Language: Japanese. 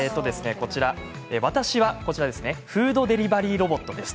私はフードデリバリーロボットです。